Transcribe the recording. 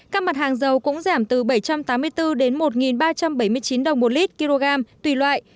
các mặt hàng dầu cũng giảm từ bảy trăm tám mươi bốn đến một ba trăm bảy mươi chín đồng một lít tùy loại